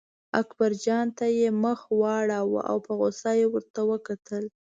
اکبرجان ته یې مخ واړاوه او په غوسه یې ورته وکتل.